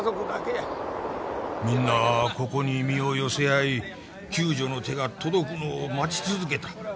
みんなここに身を寄せ合い救助の手が届くのを待ち続けた。